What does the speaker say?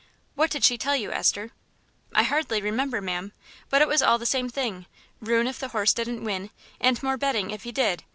"What did she tell you, Esther?" "I hardly remember, ma'am, but it was all the same thing ruin if the horse didn't win, and more betting if he did.